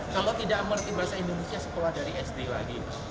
kalau tidak mengerti bahasa indonesia sekolah dari sd lagi